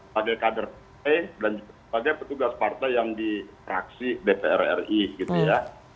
sebagai kader p dan juga sebagai petugas partai yang di praksi dpr ri gitu ya